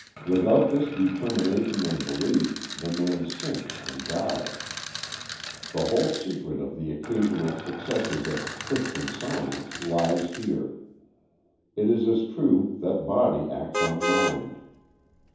Without this determination and belief, the man sinks and dies. The whole secret of the occasional successes of " Christian Science " lies here. It is as true that body acts on mind.